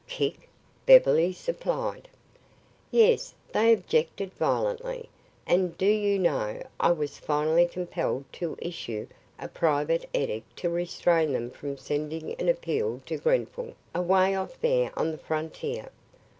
"Kick?" Beverly supplied. "Yes. They objected violently. And, do you know, I was finally compelled to issue a private edict to restrain them from sending an appeal to Grenfall away off there on the frontier.